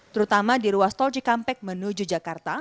terutama di ruas tol cikampek menuju jakarta